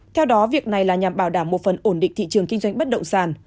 theo đó việc này là nhằm bảo đảm một phần ổn định thị trường kinh doanh bất động sản